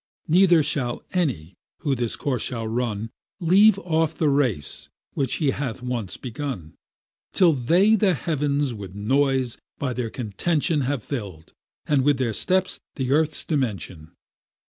Neither shall any, who this course shall run, Leave off the race which he hath once begun, Till they the heavens with noise by their contention Have fill'd, and with their steps the earth's dimension.